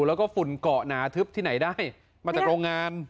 แล้วก็ฝุ่นเกาะหนาทึบที่ไหนได้มาจากโรงงาน